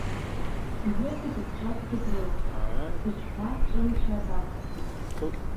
Сжәытәгьы сҿатәгьы дрылахәуп, Сыҽҳәа ҿымцәа дамцахәуп…